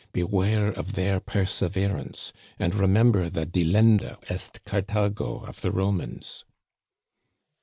Beware of their perseverance, and re member the Delenda est Carthago of the Romans."